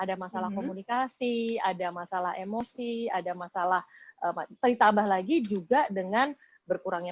ada masalah komunikasi ada masalah emosi ada masalah ditambah lagi juga dengan berkurangnya